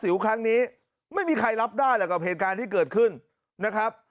สิวคังมีใครรับได้หรอกอะเหตุการณ์ที่เกิดขึ้นนะครับ